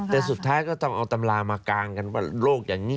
แต่สุดท้ายก็ต้องเอาตำรามากางกันว่าโลกอย่างนี้